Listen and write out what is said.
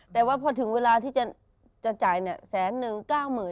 แต่ว่าพอถึงเวลาที่จะจ่ายเนี่ยแสนหนึ่ง๙๐๐๐๐เนี่ย